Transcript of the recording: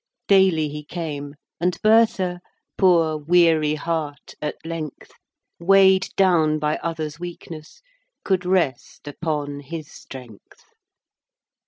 Daily he came; and Bertha, Poor wear heart, at length, Weigh'd down by other's weakness, Could rest upon his strength.